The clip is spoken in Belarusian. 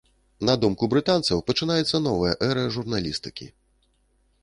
На думку брытанцаў, пачынаецца новая эра журналістыкі.